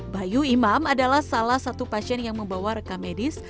bayu imam adalah salah satu pasien yang membawa rekamedis